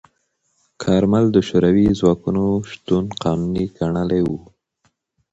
کارمل د شوروي ځواکونو شتون قانوني ګڼلی و.